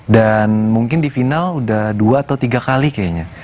dan mungkin di final udah dua atau tiga kali kayaknya